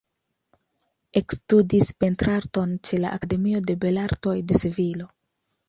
Ekstudis pentrarton ĉe la Akademio de Belartoj de Sevilo.